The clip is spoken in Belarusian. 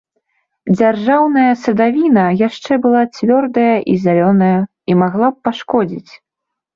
Дзяржаўная садавіна яшчэ была цвёрдая і зялёная і магла б пашкодзіць.